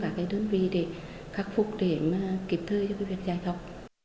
cả cái đơn vị để khắc phục để mà kịp thơi cho cái việc dạy học